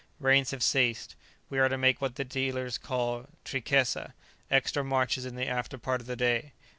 Rains have ceased. We are to make what the dealers call trikesa, extra marches in the after part of the day.